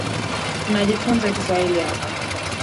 Tunajifunza Kiswahili hapa.